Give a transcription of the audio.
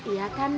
iya kan ben